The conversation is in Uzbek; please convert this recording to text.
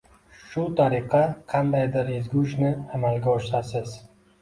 Shu tariqa qandaydir ezgu ishni amalga oshirasiz